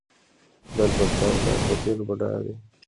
د البرټا ولایت په تیلو بډایه دی.